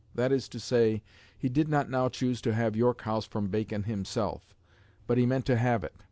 That is to say, he did not now choose to have York House from Bacon himself; but he meant to have it.